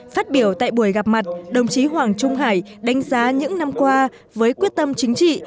phát biểu tại buổi gặp mặt đồng chí hoàng trung hải đánh giá những năm qua với quyết tâm chính trị